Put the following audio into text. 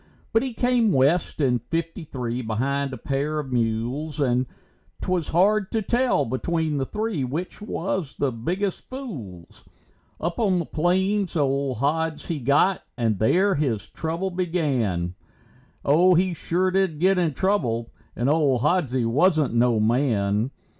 But he came west in fifty three, behind a pair of mules, And 'twas hard to tell between the three which was the biggest fools. Up on the plains old Hods he got and there his trouble began. Oh, he sure did get in trouble, and old Hodsie wasn't no man.